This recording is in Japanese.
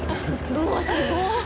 うわすごい。